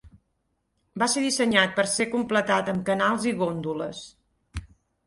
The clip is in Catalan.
Va ser dissenyat per ser completat amb canals i góndoles.